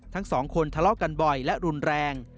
ทั้งสองคนทะเลาะกันบ่อยและรุนแรง